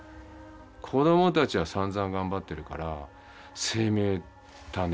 子どもたちはさんざん頑張ってるから責めたね